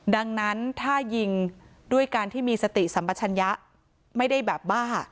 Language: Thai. ดังนั้นถ้ายิงด้วยการที่มีสติสัมปัชญะไม่ได้แบบบ้า